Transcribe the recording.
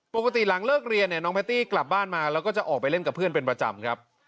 ปกติหลังเลิกเรียนเนี่ยน้องแพตตี้กลับบ้านมาแล้วก็จะออกไปเล่นกับเพื่อนเป็นประจำครับ